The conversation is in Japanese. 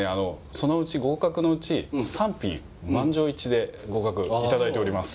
そのうち合格のうち３品満場一致で合格いただいております